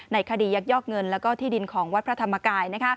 คดียักยอกเงินและที่ดินของวัดพระธรรมกาย